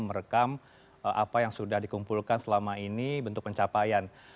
merekam apa yang sudah dikumpulkan selama ini bentuk pencapaian